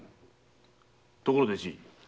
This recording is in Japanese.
ところでじい。